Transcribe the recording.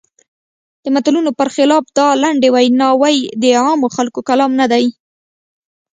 د متلونو پر خلاف دا لنډې ویناوی د عامو خلکو کلام نه دی.